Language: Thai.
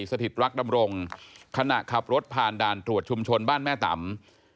สถิตรักดำรงขณะขับรถผ่านด่านตรวจชุมชนบ้านแม่ต่ำ